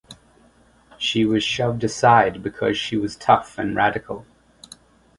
She was shoved aside because she was tough and radical.